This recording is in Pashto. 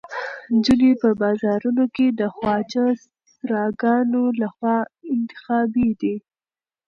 نجونې په بازارونو کې د خواجه سراګانو لخوا انتخابېدې.